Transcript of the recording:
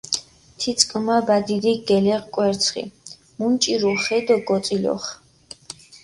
თიწკჷმა ბადიდიქ გელეღჷ კვერცხი, მუნჭირჷ ხე დო გოწილიხჷ.